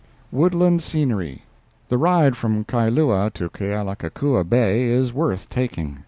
WOODLAND SCENERY The ride from Kailua to Kealakekua Bay is worth taking.